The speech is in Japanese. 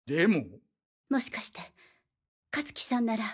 もしかして香月さんなら。